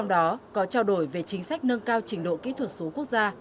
đã trao đổi về chính sách nâng cao trình độ kỹ thuật số quốc gia